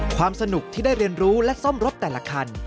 ความสนุกที่ได้เรียนรู้และซ่อมรถแต่ละคัน